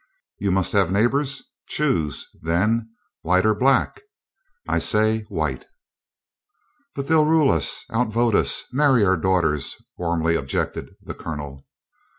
You must have neighbors: choose, then, white or black. I say white." "But they'll rule us out vote us marry our daughters," warmly objected the Colonel.